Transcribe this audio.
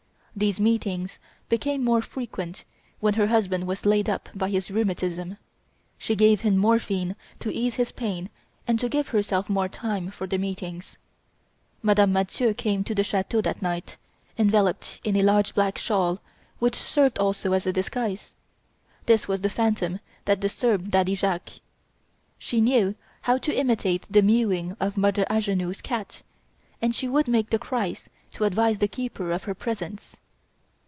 These meetings became more frequent when her husband was laid up by his rheumatism. She gave him morphine to ease his pain and to give herself more time for the meetings. Madame Mathieu came to the chateau that night, enveloped in a large black shawl which served also as a disguise. This was the phantom that disturbed Daddy Jacques. She knew how to imitate the mewing of Mother Angenoux' cat and she would make the cries to advise the keeper of her presence.